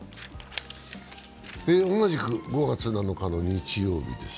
同じく５月７日の日曜日です。